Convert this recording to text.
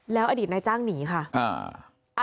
แล้วอดีตนายจ้างหนีค่ะ